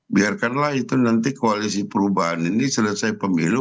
biarkanlah itu nanti koalisi perubahan ini selesai pemilu